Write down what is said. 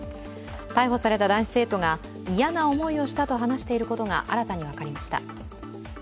逮捕された男子生徒が、嫌な思いをしたと話していることが新たに分かりました。